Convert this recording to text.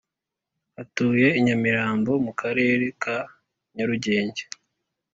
Atuye I Nyamirambo mu karere ka Nyarugenge